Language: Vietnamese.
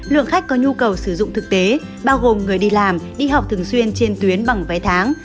lượng khách có nhu cầu sử dụng thực tế bao gồm người đi làm đi học thường xuyên trên tuyến bằng vé tháng